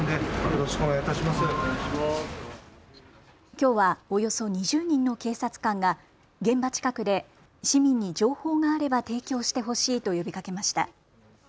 きょうはおよそ２０人の警察官が現場近くで市民に情報があれば提供してほしいと呼びかけました。